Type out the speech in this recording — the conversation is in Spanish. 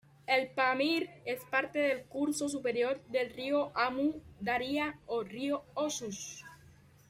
El Pamir es parte del curso superior del río Amu Daria o "río Oxus".